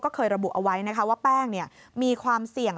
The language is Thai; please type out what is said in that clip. ก็เคยระบุเอาไว้นะคะว่าแป้งมีความเสี่ยง